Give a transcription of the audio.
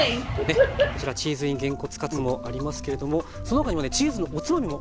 こちらチーズｉｎげんこつカツもありますけれどもその他にもねチーズのおつまみも。